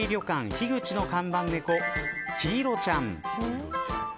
樋口の看板猫キイロちゃん。